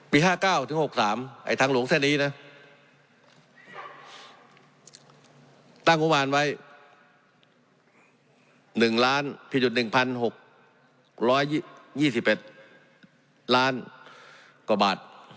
ปี๕๙๖๓ไอ้ทางหลวงเส้นนี้นะตั้งบมารไว้๑๐๐๐๐๐๐พิจุด๑๖๒๑ล้านกว่าบาท